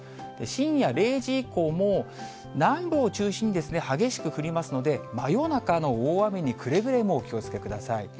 深夜０時以降も南部を中心に激しく降りますので、真夜中の大雨にくれぐれもお気をつけください。